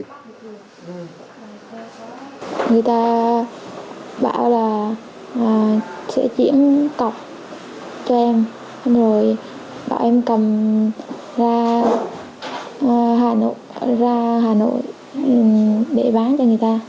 người ta bảo là sẽ chuyển cọc cho em rồi bảo em cầm ra hà nội để bán cho người ta